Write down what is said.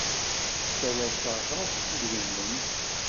Ttalaseɣ-ak idrimen.